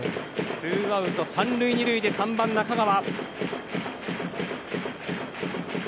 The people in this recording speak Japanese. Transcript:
ツーアウト３塁２塁で３番、中川。